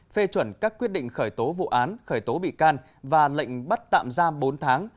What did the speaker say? phê chuẩn các quyết định khởi tố vụ án khởi tố bị can và lệnh bắt tạm giam bốn tháng